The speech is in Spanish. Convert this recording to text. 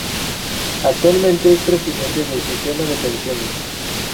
Actualmente es presidente del sistema de pensiones.